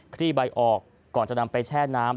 ลี่ใบออกก่อนจะนำไปแช่น้ำ